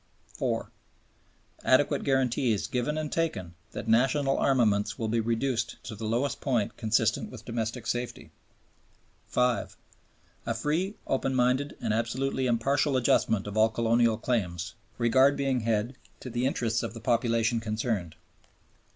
(4). "Adequate guarantees given and taken that national armaments will be reduced to the lowest point consistent with domestic safety." (5). "A free, open minded, and absolutely impartial adjustment of all colonial claims," regard being had to the interests of the populations concerned.